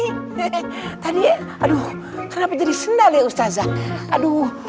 eh eh eh tadi ya aduh kenapa jadi sendal ya ustazah aduh